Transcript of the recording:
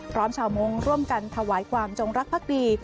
พร้อมชาวมุ้งร่วมกันถวายความจงรักภักดี